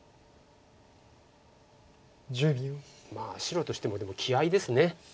まあ白としてもでも気合いです。